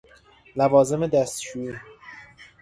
لوازم دستشویی: